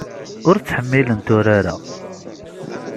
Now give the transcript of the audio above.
Ur ttḥemmilent urar-a.